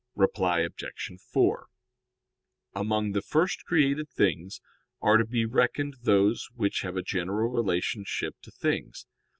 Reply Obj. 4: Among the first created things are to be reckoned those which have a general relationship to things.